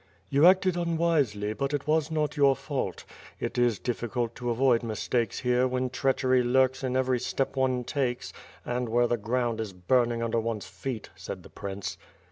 "You acted unwisely, but it was not your fault. It is difficult to avoid mistakes here when treachery lurks in every step one takes, and where the ground is burning under one's feet," said the prince.